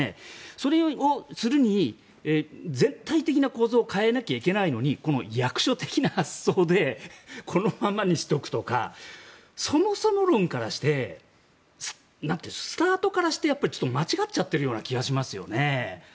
それをするのに絶対的な構造を変えなきゃいけないのに役所的な発想でこのままにしておくとかそもそも論からしてスタートからして間違っちゃっている気がしますね。